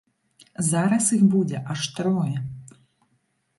Зараз іх будзе аж трое.